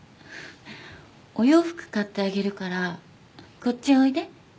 お洋服買ってあげるからこっちおいで。